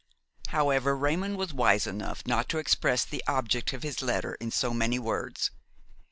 However, Raymon was wise enough not to express the object of his letter in so many words.